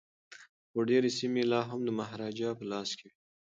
خو ډیري سیمي لا هم د مهاراجا په لاس کي وې.